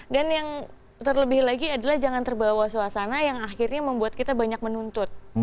dan yang terlebih lagi adalah jangan terbawa suasana yang akhirnya membuat kita banyak menuntut